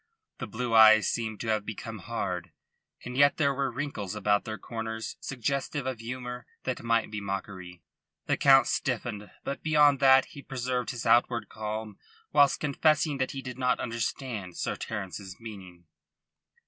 The blue eyes seemed to have become hard, and yet there were wrinkles about their corners suggestive of humour that might be mockery. The Count stiffened; but beyond that he preserved his outward calm whilst confessing that he did not understand Sir Terence's meaning.